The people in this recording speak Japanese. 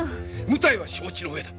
無体は承知の上だ。